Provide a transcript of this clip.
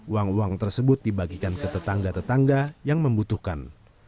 uang uang tersebut dibagikan ke tetangga tetangga yang membutuhkan